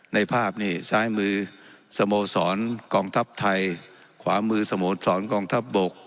ในภาพนี่ซ้ายมือสโมสรกองทัพไทยขวามือสโมสรกองทัพบก